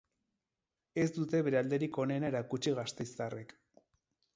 Ez dute bere alderik onena erakutsi gasteiztarrek.